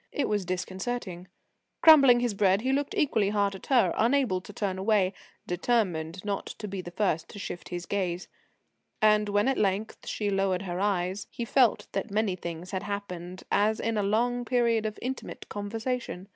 It was disconcerting. Crumbling his bread, he looked equally hard at her, unable to turn away, determined not to be the first to shift his gaze. And when at length she lowered her eyes he felt that many things had happened, as in a long period of intimate conversation.